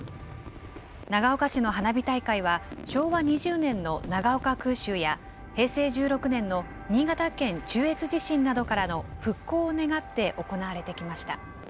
長岡市の花火大会は、昭和２０年の長岡空襲や、平成１６年の新潟県中越地震などからの復興を願って行われてきました。